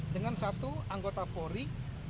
dengan satu anggota polri